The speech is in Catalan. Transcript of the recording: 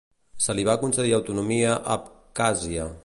Se li va concedir autonomia a Abkhàzia.